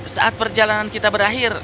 saat perjalanan kita berakhir